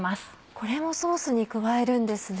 これもソースに加えるんですね。